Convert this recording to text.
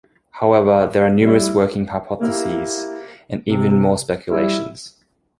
However, there are numerous working hypotheses and even more speculations.